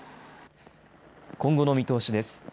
今後の見通しです。